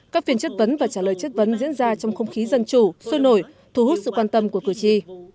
các phiên chất vấn và trả lời chất vấn diễn ra trong không khí dân chủ sôi nổi thu hút sự quan tâm của cử tri